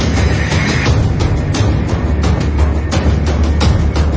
แล้วก็พอเล่ากับเขาก็คอยจับอย่างนี้ครับ